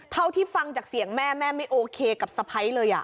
เท่าที่ฟังจากเสียงแม่แม่ไม่โอเคกับสะพ้ายเลย